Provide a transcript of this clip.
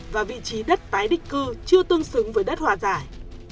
và vị trí đất tái định cư chưa tương xứng với đất hòa giải